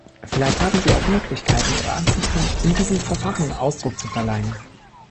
Vielleicht haben Sie auch Möglichkeiten, Ihren Ansichten in diesem Verfahren Ausdruck zu verleihen.